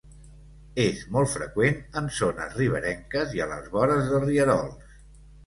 És molt freqüent en zones riberenques i a les vores de rierols.